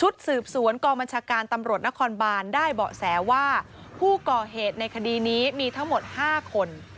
ชุดสืบสวนกองบัญชาการตำรวจนครบานได้เบาะแสว่าผู้ก่อเหตุในคดีนี้มีทั้งหมด๕คน